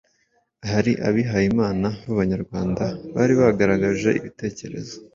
hari abihayimana b'Abanyarwanda bari baragaragaje ibitekerezo